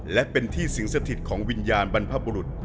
และเป็นที่สิงสถิตของวิญญาณบรรพบุรุษ